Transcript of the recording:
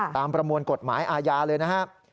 ตามประมวลกฎหมายอาญาเลยนะฮะ